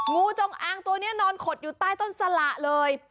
งูจงอางตัวนี้นอนขดอยู่ใต้ต้นสละเลย